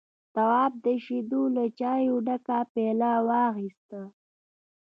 تواب د شيدو له چايو ډکه پياله واخيسته.